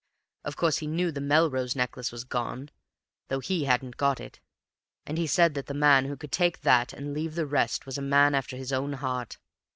Of course he knew the Melrose necklace was gone, though he hadn't got it; and he said that the man who could take that and leave the rest was a man after his own heart.